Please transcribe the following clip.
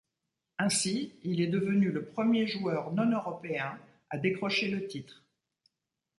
Ainsi, il est devenu le premier joueur non européen à décrocher le titre.